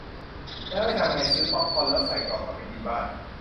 แล้วให้ทำไง ซื้อป๊อปคอร์นแล้วใส่กล่องกลับไปกินบ้าน